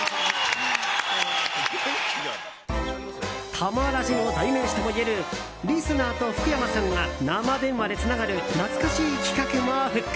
「魂ラジ」の代名詞ともいえるリスナーと福山さんが生電話でつながる懐かしい企画も復活。